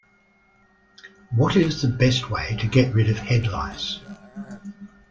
What is the best way to get rid of head lice?